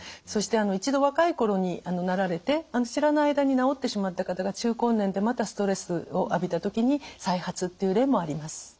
そして一度若い頃になられて知らない間に治ってしまった方が中高年でまたストレスを浴びた時に再発っていう例もあります。